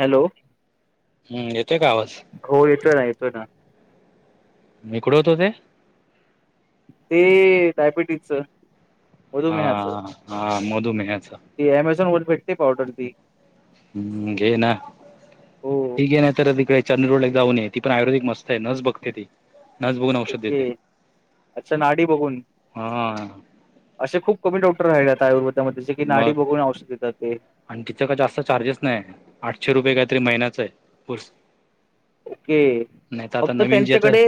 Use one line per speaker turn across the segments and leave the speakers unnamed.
Hello.
हम्म येतोय का आवाज
हो येतोय ना येतोय ना,
मी कुठं होतो ते
ते डायबिटीजच
हा
मधुमेहाच,
हा मधुमेहाचा
ती अमेझॉन वर भेटते पावडर ती
हम् घे ना
हो
ही घे नाहीतर तिकडे चंद [unintelligible] जाऊन ये ती पण आयुर्वेदिक मस्त आहे, नस बघते ती नस बघून औषध देते
ओके, अच्छा नाडी बघून
हा
असे खूप [unintelligible] डॉक्टर [unintelligible] आता काय आयुर्वे
मग आणि तिथं का जास्त चार्जेस नाय आठशे रुपये काय तरी महिन्याचं आय [unintelligible]
ओके फक्त
आता
त्यांच्याकडे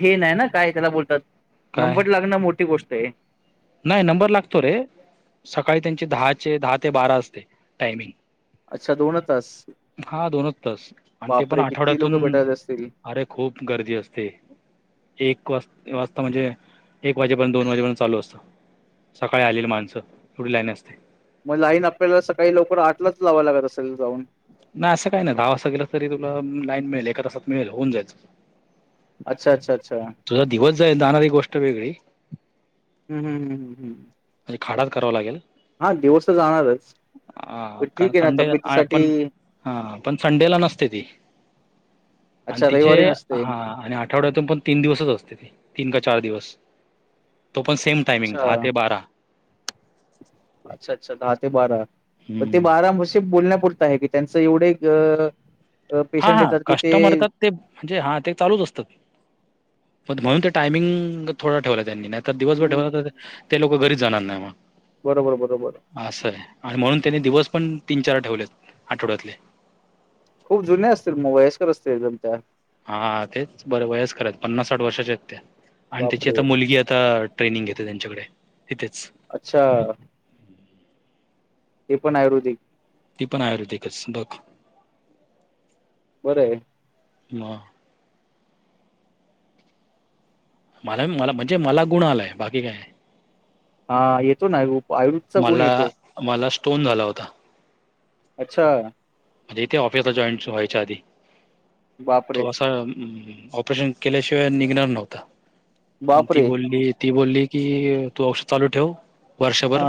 हे नाही ना काय त्याला बोलतात,
काय
नंबर लागणं मोठी गोष्ट ते
नाही नंबर लागतो रे, सकाळी त्यांची दहाचे दहा ते बारा असते टायमिंग
अच्छा! दोनच तास
हा दोनच तास आणि ते पण
बापरे किती लोक
आठवड्यातून
भेटायत असतील
अरे खूप गर्दी असते. एक वास वासता म्हणजे एक वाजेपर्यंत दोन वाजेपर्यंत चालू असतं. सकाळी आलेली माणसं एवढी लाईन असते.
मग लाईन आपल्याला सकाळी लवकर आठलाच लावाव लागत असेल जाऊन
नाही असं काय नई, दहा वाजता गेलास तरी तुला लाईन मिळेल, एका तासात मिळेल होऊन जायच
अच्छा अच्छा! अच्छा
तुझा दिवस जाइल जाणारी गोष्ट वेगळी
हू हू हू हुहू
खाडाच कराव लागेल.
हा दिवस त जाणारच
आ कारण
ठीक आहे ना
संडे आ पण,
तब्येतीसाठी
हा पण संडेला नसते ती आणि
अच्छा
तिचे
रविवारी नसते.
हा आणि आठवड्यातून पण तीन दिवसच असते तीन काय चा चार दिवस, तो पण सेम टायमिंग
अच्छा,
दहा ते बारा
अच्छा अच्छा! दहा ते बारा, ते
हम्म
बारा मुसे बोलण्या पुरत आहे की त्यांचं एवढे [unintelligible]
हा हा
येतात की ते
कस्टमर तर ते म्हणजे हा ते चालूच असत [unintelligible] म्हणून ते टायमिंग थोडा ठेवला त्यांनी नाही तर दिवसभर
हम्म.
ठेवला तर ते लोक घरीच जाणार नाई म,
बरोबर, बरोबर.
आसाय म्हणून त्यांनी दिवस पण तीन चार ठेवलेत आठवड्यातले
खूप जुने असतील मग वयस्कर असती एकदम त्या
हा तेच बरं वयस्कर आईत पन्नास साठ वर्षाच्या आहेत त्या आणि त्यची
बापरे!
आता मुलगी आता ट्रेनिंग घेते त्यांच्याकडे हिथेच
अच्छा! ते पण आयुर्वेदिक
ती पण आयुर्वेदिकच बघ.
बर ये
ना मला मला म्हणजे मला गुण आलाय, बाकी काय
हा येतो ना उप आयु [unintelligible] चा गुण येतो.
तोन झाला होता.
अच्छा!
[unintelligible] इथे ऑफिसला जॉईन च व्हायच्या आधी,
बापरे!
थोआसा अम्म ऑपरेशन केल्याशिवाय निघणार नव्हता, पण ती
बापरे!
बोलली ती बोलली की तू औष चालू ठेव
हा
वर्षभर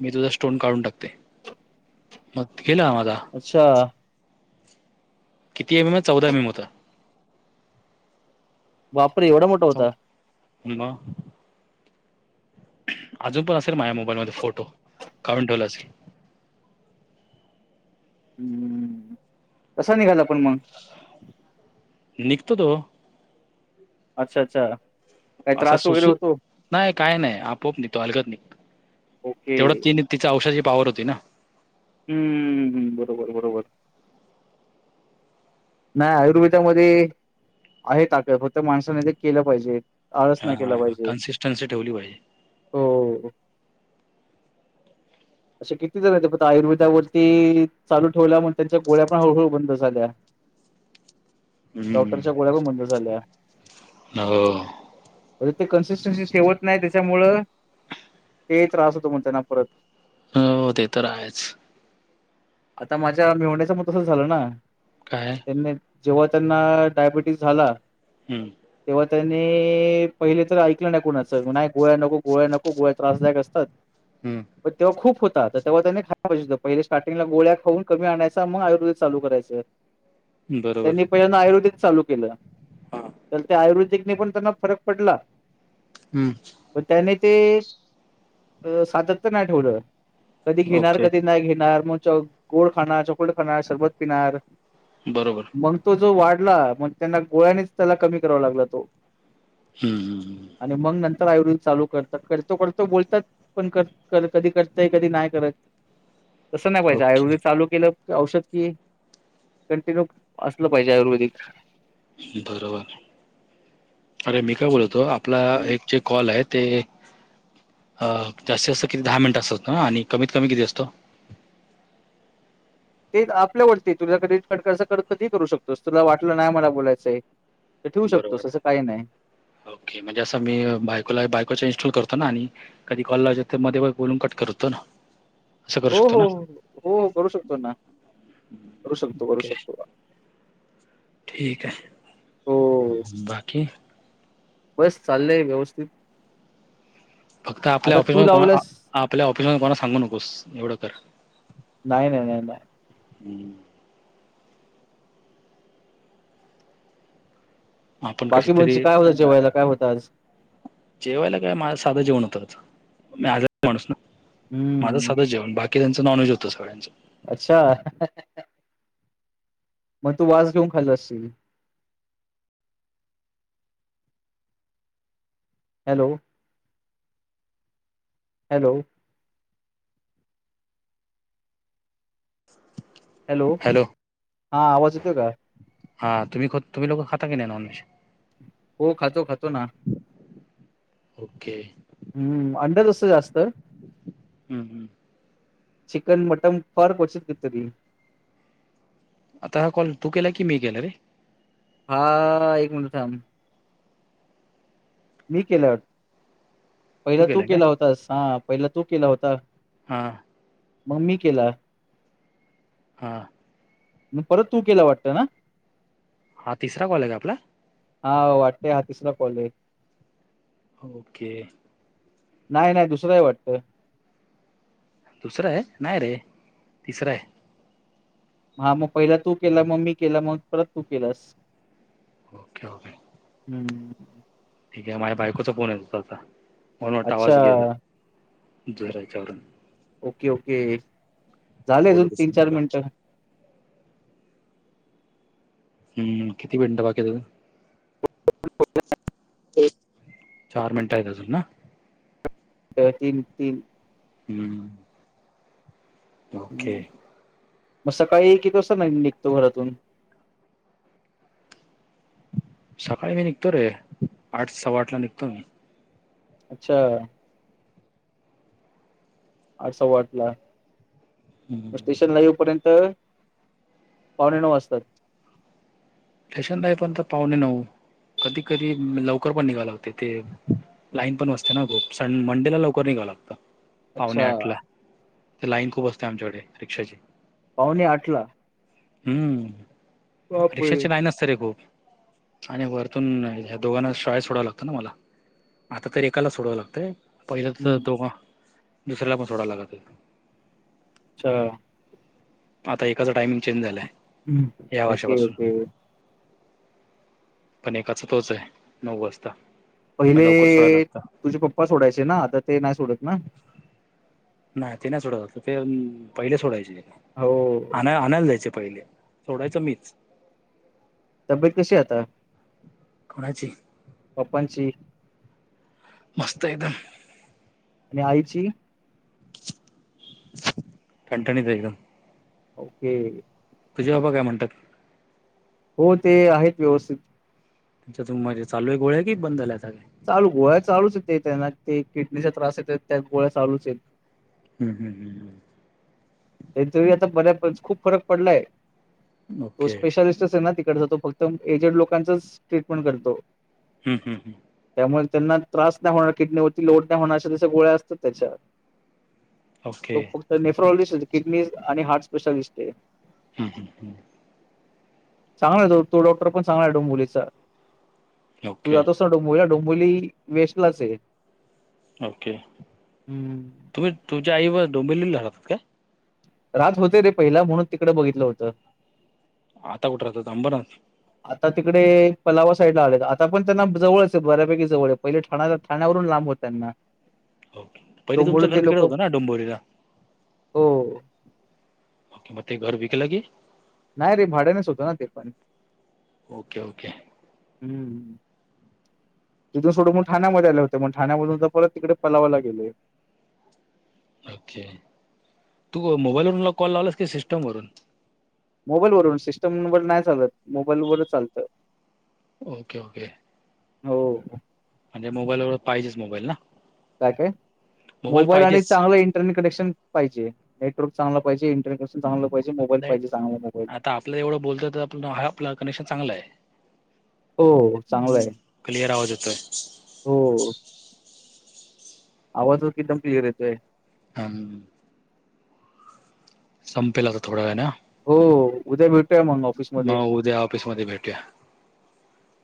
मी तुझा स्टोन काढून टाकते, मग गेला माझा
अच्छा!
किती एम एम ये? चौदा एम एम होता.
बापरे! एवढा मोठा होता.
[unintelligible] म अजून पण असेल माझ्या मोबाईल मध्ये फोटो, काढून ठेवला असे पीप
हम्म कसा निघाला पण मग
निघतो तो
अच्छा अच्छा काही
असं
त्रास वगैरे
सोसू
होतो?
नाय काय नाय आपोआप निघतो अलगत निघतो.
ओके.
तेवढं ती तिचा औषधाची पावर होती ना.
हम्म बरोबर बरोबर. नाय आयुर्वेदामध्ये आहे ताकद फक्त माणसाने ते केलं पाहिजे. आळस नाई केला
हा
पाहिजे
कन्सिस्टन्सी ठेवली पाहिजे
हो. अशे किती जण येत आयुर्वेदावरती चालू ठेवल्या म्हण त्यांच्या गोळ्या पण हळूहळू बंद झाल्या. डॉक्टरच्या गोळ्या प बंद झाल्या.
ना हो.
म्हजे ते कन्सिस्टन्सी ठेवत नाय त्याच्यामुळ ते त्रास होतो मग त्यांना परत.
ह हो ते तर आहेच.
आता माझ्या मेवण्याच म तसं झालं ना
काय
त्यां जेव्हा त्यांना डायबिटीस झाला.
हम्म.
तेव्हा त्यांनी पहिले तर ऐकलं नाय कोणाच नाय गोळ्या नको गोळ्या नक को गोळ्या त्रासदायक असतात प तेव्हा खूप होता तेव्हा त्यांन खायाय पाहिजे होता पहिलं स्टा टिंगला गोळ्या खऊ कमी आणायचा मग आयुर्वेद चालू करायं.
बरोबर
त्यांनी पहिल्यांदा आयुर्वेदिक चालू केलं
हम्म
तर ते आयुर्वेदिक नाई पण त्यांना फरक पडला.
हम्म.
पण त्याने ते सातत्य नाही ठेवलं कधी घेणार
ओके
कधी नाही घेणार मग च गोड खाणार चॉकलेट खाणार शरबत पिणार
बरोबर
मग तो जो वाट ला मग त्यांना गोळ्यानेच त्याला कमी करावा लागला तो.
हम्म ह ह ह.
तर आयुर्वेद चालू करतात करतो करतो बोलतात पण कर क कधी करतय कधी नाय करत. स नाय पाहिजे
ओके
आयुर्वेद चाू केलं कि औषध कि कंटिन्यू असलं पाहिजे आयुर्वेदिक.
बरोबर अरे मी काय बोलतो आपला एक जे कॉल आहेत ते. अ जास्त जास्त किती दहा मिनिट असतं ना आणि कमीत कमी किती असतो?
ते आपल्यावरती तुझ्याकड कट कस कर कधीही करू शकतोस तुला वाटलं नाई मला बोलायचंय तर ठेवू शकतोस असं काही नाही
बरोबर ओके म्हणजे असं मी बायकोला बायको च्या इन्स्टॉल कर तो आणि कधी कॉल लावायचा तर मध्ये बाय बोलून कट करतोना.
हो हो हो हो करू शकतो ना. करू शकतो करू
ओके.
शकतो.
ठीक
हो
हाय बाकी.
बस चाललंय व्यवस्थित.
फक्त आपल्या
आता
ऑफिस
तू
मध कोण अ
लावलंस
आपल्या ऑफिस मध कोणा सांगू नकोस एवढं कर.
नाय नाय नाय नाय.
हम्म. आपण
बाकी
कसतरी
म्हणजे काय होतं
अ
जेवायला काय होतं आज
जेवायला काय माझ साधं जेवण होत आज. मी आजा माणूस ना माझं
हम्म
सधं जेवण बाकी त्यांच नॉन्हेज होतं सगळ्यांच.
अच्छा. मग तू वास घेऊन खाल्ला असशील. हॅलो. हॅलो. हॅलो हा आवाज येतो काय?
हा तुमही ख तुमही लोक खाता कि नाय नॉनव्हेज?
हो खातो खातो ना.
ओके.
हम्म अंडर असतं जास्तं.
हम्म हम्म.
चिकन मटम फार क्वचित् घेतलं मी
आता हा कॉल तू केला की मी केला रे
हा एक मिनट थांब. मी केल्यात पहिला तू
केलाय का?
केला होतास हा पहिला तू केला होता.
हा.
मग मी केलात.
हा.
म परत तू केला वाटतंय ना
हा तिसरा कॉल आहे का आपला
हा वाटतेय हा तिसरा कॉल आहे.
ओके.
नाही नाही दुसरा आहे वाटतं.
दुसरा आहे नाही रे तिसरा आहे.
हा मग पहिला तू केला मग मी केला मग परत तू केलास.
Okay okay.
हम्म.
ठीक आहे आता माझ्या बायकोचा फोन येत होता आता म्हणून वाटतं
अच्छा.
आवाज गेला. इकडे जायचं आवरून
ओके ओके झाले अजून
बोलत
तीन
असेल
चार
मला
मिनिटं
हम्म किती मिनिटं बाकी आहे आता चार मिनिटं आहेत अजून ना.
ब तीनं तीनं
हम्म. ओके.
हं. मग सकाळीं किती वास्ता निघतो तू बरं.
सकाळी मी निघतो रे आठ सव्वा आठला निघतो मी
अच्छा आठ सवा आठ ला. मग
हम्म,
स्टेशनला ईव्ह पर्यन्त पावणे नऊ वाजतात.
स्टेशनला येई पर्यंत ना पाहुणे नऊ कधी कधी लवकर पण निघा लागते तिथे ते लाईन पण असते ना खूप स मंडे ला लवकर निघावं लागतं. पाव्हणे
अच्छा
आठ ला ते लाईन खूप असतें आमच्याकडे रिक्षांची
पाव्हणे आठला.
हम्म.
बाप हय.
हे भाऊ आणि वरतून दोघांना शाळेत सोडावं लागते न मला. आता तर एकाला सोडावं लागतंय. पहिलं तर
हम्म.
दोघां दुसऱ्यांना पणं सोडा लागतं होते.
अच्छा.
आता एकाचा टाईम चेंज झालाय आहे.
हम ओके ओके.
पणं एकाचा तोंच आहे नऊ वाजता मग लवकर सोडायला
पहिलें
लागतं
तुझें पप्पा सोडायचे ना आता ते नाही सोडत ना.
नाही ते नाही सोडात आता ते पहिले सोडायचे
हो
आणय आणायला जायचे पहिलें. सोडायचं मीच.
तब्येत कशी आहे आता?
कोणाची?
पाप्पांची.
मस्त एकदम.
आणि आईची?
ठणठणीत एकदम.
ओके
तुझे बाबा काय म्हणतात?
हो ते आहेत व्यवस्थित.
त्याच्यातून माझ्या चालूये गोळ्या की बंद झाल्या? काय
चालू गोळ्या चालूच य त्यांना ते किडनीचा त्रास येत त्या गोळ्या चालूच आहेत.
हम्म हम् हम्म हम्
त्याचा तरी आता बर्‍यापैकी खूप फरक पडलाय तो
ओके
स्पेशलिस्टच आहे ना ती तिकडे जातो फक्त आणि एजड लोकांचाच ट्रीटमेंट करतो.
हम्म हम्म हम्
त्या मुळे त्यांना त्रास नाही होणार किडनी वरती लोड नाही होणार अशा गोळ्या असतात त्याच्या. तो
ओके हम्म
फक्त नेफ्रॉलॉजिस्ट किडनी आणि हार्ट स्पेशालिस्ट आहे.
हम्म हम् ह्
चांगला आहे द तो डॉक्टर पण चांगला आहे डोंबिवलीचा. तू
ओके
जातोस ना डोंबोलीला डोंबिवली वेस्टलाच आहे.
ओके,
हम्म.
तुम्ही तुमच्या आई बरोबर डोंबिलीला राहतात का?
राहात होते रे पहिला म्हणून तिकड बघितलं होतं.
आता कुठ राहतात अंबरनाथ?
आता तिकडे पलावा साईड ला आले आता पण त्यांना जवळच बऱ्यापैकी जवळ आहे पहिले ठाण्या ठाण्यावरून लांब होताना
ओके पहिले
त्यामुळे
तुमचं घर
ते
तिकडे
लोक
होतं ना डोंबिवलीला
हो
ओके मग ते घर विकला की?
नाही रे भाड्यानेच होतं ना ते पण.
Okay okay.
हम्म तिथून सोडून म ठाण्यामध्ये आले होते मग ठाण्यामधून तर परत तिकडे पलावाला गेले.
[unintelligible] ओके, तू मोबाईल वरुण मला कॉल लावलास कि सिस्टम वरून?
मोबाईल वरून सिस्टम वर नाही चालत मोबाईल वर चालतं.
Okay okay.
हो
म्हणजे मोबाईल व पाहिजेच मोबाईल ना
काय काय मोबाईल आणि चांगलं इंटरनेट कनेक्शन पाहिजे नेटवर्क चांगलं पाहिजे. इंटरनेट कनेक्शन मोबाईल पाहिजे चांगला मोबाईल.
आता आपलं एवढं बोलत आपण आपला कनेक्शन चांगलाय.
हो चांगलं
हम्म
आहे.
क्लियर आवज येतोय.
आवाज तर एकदम क्लिअर येतोय.
हम ह. संपेल आता थोडा वेळान.
हो उद्या भेटूया मग
म
ऑफिसमध्ये.
उद्या ऑफिस मधे भेटूया.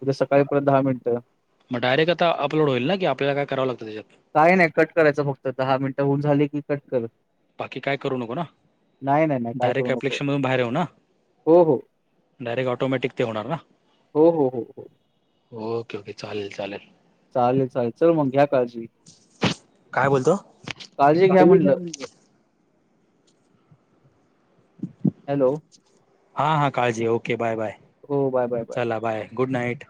उद्या सकाळी परत मिनिटं.
मग डायरेक्ट आता अपलोड होईल ना कि आपल्याला काय करावं लागत?
काय नाही कट करायचं फक्त दहा मिनिटं होऊन झाली की कट कर.
बाकी काय करू नको ना
नाही, नाही, नाही काय करू
डायरेक्ट,
नको.
ऐप्लिकेशन मधून बाहेर येऊ ना?
हो, हो.
डायरेक्ट ऑटोमॅटिक ते होणार ना?
हो, हो, हो, हो.
ओके ओके चालेल चालेल.
चालेल चालेल चल मग [unintelligible] काळजी....
काय बोलतो
काळजी घ्या म्हटलं. हॅलो...
हा हा काळजी घे ओके बाय बाय
हो बाय, बाय,
चला बाय गुड नाईट.